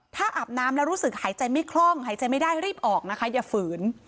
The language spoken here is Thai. ถ้าอาบน้ำแล้วรู้สึกหายใจไม่คล่องหายใจไม่ได้รีบออกนะคะอย่าฝืน